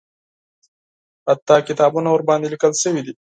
حتی کتابونه ورباندې لیکل شوي دي.